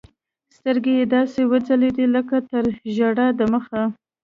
سترګې يې داسې وځلېدې لكه تر ژړا د مخه.